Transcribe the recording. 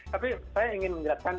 tapi saya ingin menjelaskan